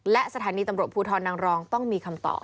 และสถานีตำรวจภูทรนางรองต้องมีคำตอบ